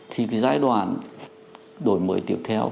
thì cái giai đoạn đổi mới tiếp theo